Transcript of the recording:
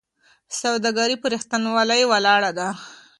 سوداګري په رښتینولۍ ولاړه ده.